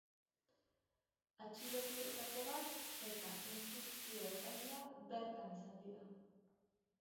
Atxilotuetako bat eta instrukzio-epailea bertan izan dira.